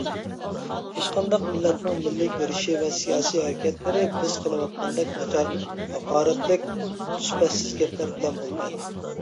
ھېچقانداق مىللەتنىڭ مىللىي كۈرىشى ۋە سىياسىي ھەرىكەتلىرى بىز قىلىۋاتقاندەك ناچار، ھاقارەتلىك، سۈپەتسىز گەپلەر بىلەن بولمايدۇ.